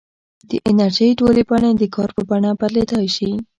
د انرژۍ ټولې بڼې د کار په بڼه بدلېدای شي.